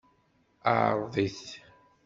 Ɛṛeḍ-it.